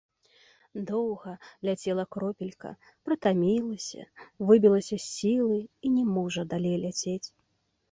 Доўга ляцела кропелька, прытамілася, выбілася з сілы і не можа далей ляцець.